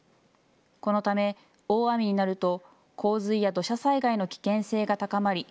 このため大雨になると洪水や土砂災害の危険性が高まり